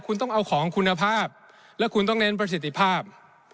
คุณต้องเอาของคุณภาพและคุณต้องเน้นประสิทธิภาพ